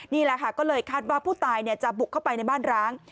นี่แหละค่ะก็เลยคาดว่าผู้ตายจะบุกเข้าไปในบ้านร้าง